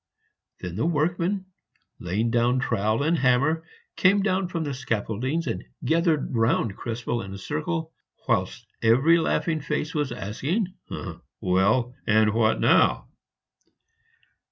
Then the workmen, laying down trowel and hammer, came down from the scaffoldings and gathered round Krespel in a circle, whilst every laughing face was asking, "Well, and what now?"